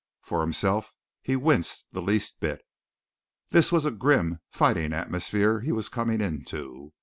For himself he winced the least bit. This was a grim, fighting atmosphere he was coming into.